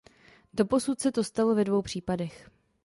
Doposud se to stalo ve dvou případech.